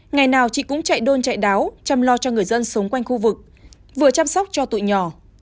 ngày nào chị cũng chạy đôn chạy đáo chăm lo cho người dân sống quanh khu vực vừa chăm sóc cho tụi nhỏ